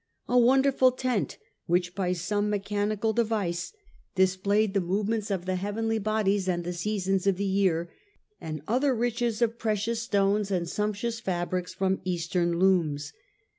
a|wonderful tent which by some mechanical device displayed the movements of the heavenly bodies 124 STUPOR MUNDI and the seasons of the year, and other riches of precious stones and sumptuous fabrics from Eastern looms.